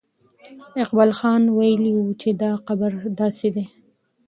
اقبال خان ویلي وو چې دا قبر داسې دی.